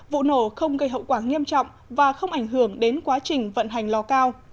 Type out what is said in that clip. vụ nổ không gây hậu quả nghiêm trọng và không ảnh hưởng đến quá trình vận hành lò cao